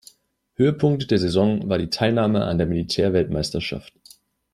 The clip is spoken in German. Höhepunkt der Saison war die Teilnahme an der Militärweltmeisterschaft.